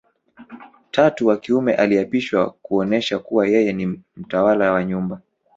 Tatu wa kiume aliapishwa kuonesha kuwa yeye ni mtawala wa nyumba